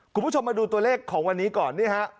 คุณผู้ชมมาดูตัวเลขของวันนี้ก่อนนี่ฮะ